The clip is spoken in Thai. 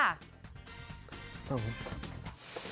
งวดนี้ขอ๒ตัวถ่ายแซม